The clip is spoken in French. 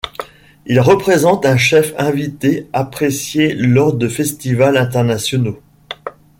Il représente un chef invité apprécié lors de festivals internationaux.